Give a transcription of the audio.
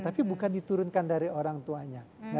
tapi bukan diturunkan dari orang tuanya